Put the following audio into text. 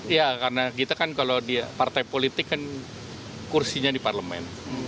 iya karena kita kan kalau di partai politik kan kursinya di parlemen